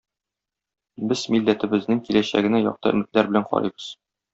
Без милләтебезнең киләчәгенә якты өметләр белән карыйбыз.